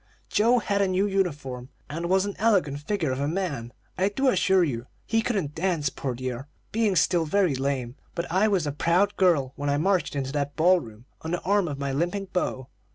Joe had a new uniform, and was an elegant figure of a man, I do assure you. He couldn't dance, poor dear, being still very lame: but I was a proud girl when I marched into that ball room, on the arm of my limping beau.